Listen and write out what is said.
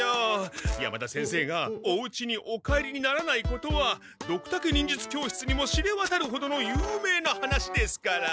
山田先生がおうちにお帰りにならないことはドクタケ忍術教室にも知れわたるほどの有名な話ですから。